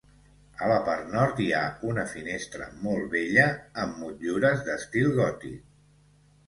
A la part nord hi ha una finestra molt vella, amb motllures d'estil gòtic.